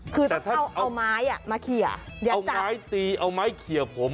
คือถ้าเอาไม้มาเขียเอาไม้ตีเอาไม้เขียบผม